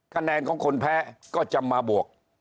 คะแนนของคนแพ้ก็จะมาบวก